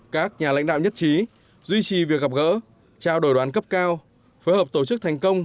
các nhà lãnh đạo nhất trí duy trì việc gặp gỡ trao đổi đoán cấp cao phối hợp tổ chức thành công